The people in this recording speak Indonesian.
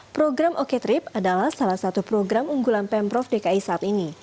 program oko trip adalah salah satu program unggulan pemprov dki saat ini